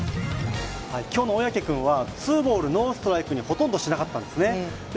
きょうの小宅君は、ツーボール、ノーストライクにほとんどしなかったんです。